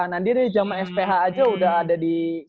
nah dia dari jaman sph aja udah ada di situ